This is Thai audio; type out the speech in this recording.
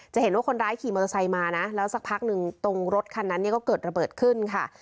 จะเห็นว่าคนร้ายขี่มอเตอร์ไซค์มานะแล้วสักพักหนึ่งตรงรถคันนั้นเนี่ยก็เกิดระเบิดขึ้นค่ะ